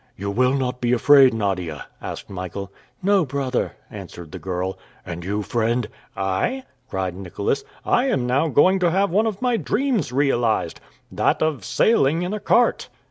"You will not be afraid, Nadia?" asked Michael. "No, brother," answered the girl. "And you, friend?" "I?" cried Nicholas. "I am now going to have one of my dreams realized that of sailing in a cart."